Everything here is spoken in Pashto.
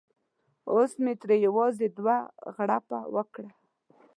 اوس مې ترې یوازې دوه غړپه وکړه.